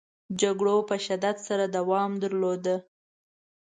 جګړو په شدت سره دوام درلوده.